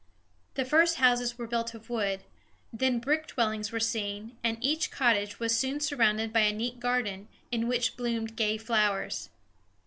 The first houses were built of wood; then brick dwellings were seen; and each cottage was soon surrounded by a neat garden, in which bloomed gay flowers.